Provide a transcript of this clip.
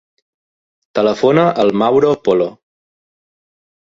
Telefona al Mauro Polo.